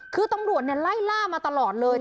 คือตำรวจไล่ล่ามาตลอดเลย